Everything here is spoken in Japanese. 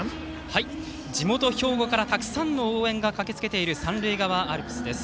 地元・兵庫からたくさんの応援が駆けつけている三塁側アルプスです。